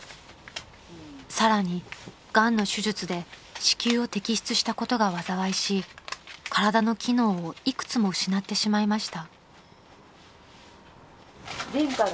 ［さらにがんの手術で子宮を摘出したことが災いし体の機能を幾つも失ってしまいました］